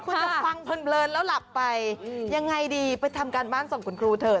คุณจะฟังเพลินแล้วหลับไปยังไงดีไปทำการบ้านส่งคุณครูเถอะ